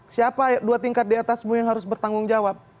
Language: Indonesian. siapa dua tingkat diatasmu yang harus bertanggung jawab